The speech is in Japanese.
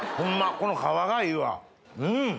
この皮がいいわうん！